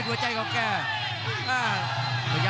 โอ้โหโอ้โหโอ้โหโอ้โห